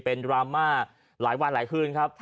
เป็นดราม่าหลายวันหลายคืนครับ